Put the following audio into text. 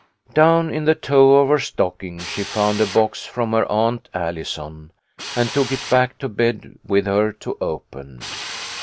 Down in the toe of her stocking she found a box from her Aunt Allison, and took it back to bed with her to open.